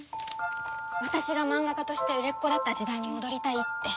私がマンガ家として売れっ子だった時代に戻りたいって。